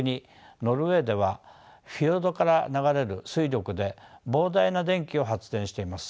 ノルウェーではフィヨルドから流れる水力で膨大な電気を発電しています。